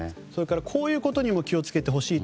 こういうことにも気を付けてほしいと。